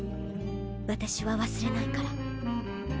私は忘れないから。